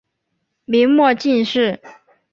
明末进士。